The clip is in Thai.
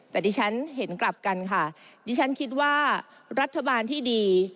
แต่ดิฉันเห็นกลับกันค่ะดิฉันคิดว่ารัฐบาลที่ดี